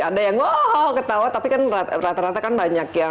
ada yang woh oh ketawa tapi kan rata rata kan banyak yang